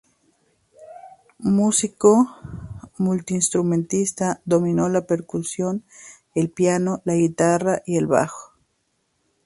Músico multiinstrumentista, dominó la percusión, el piano, la guitarra, y el bajo.